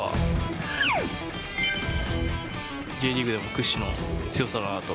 Ｊリーグでも屈指の強さだと。